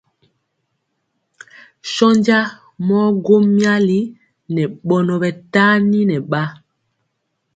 Sɔnja mɔ gwo myali nɛ ɓɔnɔ ɓɛ tani nɛ ɓa.